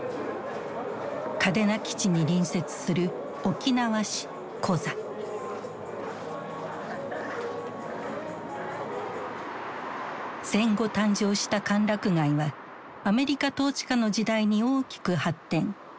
嘉手納基地に隣接する戦後誕生した歓楽街はアメリカ統治下の時代に大きく発展。